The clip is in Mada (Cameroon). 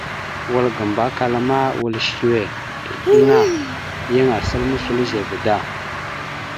Wal ga Mbakala ma, wal səwe eɗeŋa, yan asal moslo ezeve da.